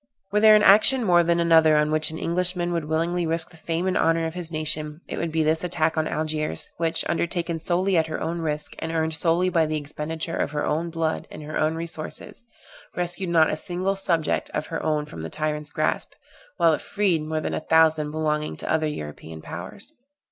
Were there an action more than another on which an Englishman would willingly risk the fame and honor of his nation, it would be this attack on Algiers, which, undertaken solely at her own risk, and earned solely by the expenditure of her own blood and her own resources, rescued not a single subject of her own from the tyrant's grasp, while it freed more than a thousand belonging to other European powers.